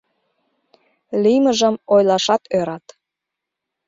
Лиймыжым ойлашат ӧрат.